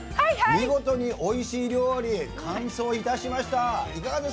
見事においしい料理完走いたしました。